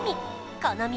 この道